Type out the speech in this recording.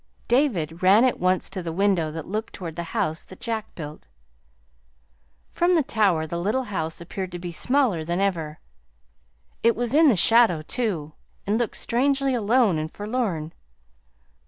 David ran at once to the window that looked toward the House that Jack Built. From the tower the little house appeared to be smaller than ever. It was in the shadow, too, and looked strangely alone and forlorn.